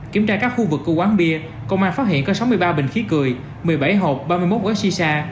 kiểm tra các khu vực của quán bia công an phát hiện có sáu mươi ba bình khí cười một mươi bảy hộp ba mươi một gói shisha